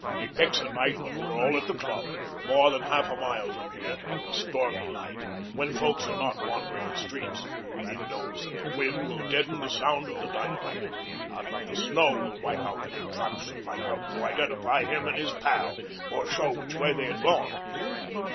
"He picks a night when we're all at the club, more than half a mile from here, a stormy night when folks are not wandering the streets. He knows that the wind will deaden the sound of the dynamite and that the snow will wipe out any tracks that might help to identify him and his pal or show which way they have gone."